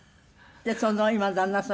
その今旦那様